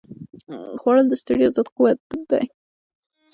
خوړل د ستړیا ضد قوت دی